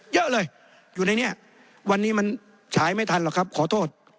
เยอะเลยอยู่ในนี้วันนี้มันฉายไม่ทันหรอกครับขอโทษ